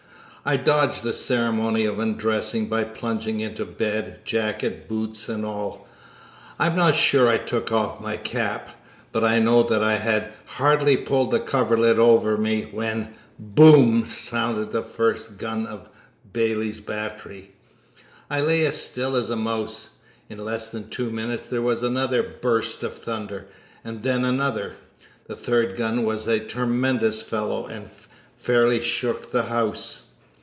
I dodged the ceremony of undressing by plunging into bed, jacket, boots, and all. I am not sure I took off my cap; but I know that I had hardly pulled the coverlid over me, when "BOOM!" sounded the first gun of Bailey's Battery. I lay as still as a mouse. In less than two minutes there was another burst of thunder, and then another. The third gun was a tremendous fellow and fairly shook the house.